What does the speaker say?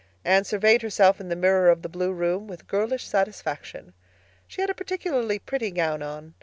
Anne surveyed herself in the mirror of the blue room with girlish satisfaction. She had a particularly pretty gown on.